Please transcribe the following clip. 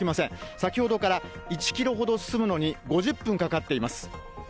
先ほどから１キロほど進むのに５０分かかっています。